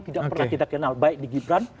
tidak pernah kita kenal baik di gibran